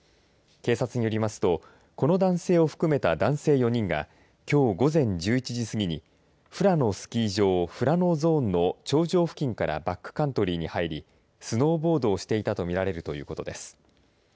警察によりますとこの男性を含めた男性４人がきょう午前１１時すぎに富良野スキー場富良野ＺＯＮＥの頂上付近からバックカントリーに入りスノーボードをしていたとみられるということです。